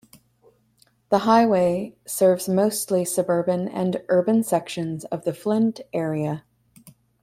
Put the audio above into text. The highway serves mostly suburban and urban sections of the Flint area.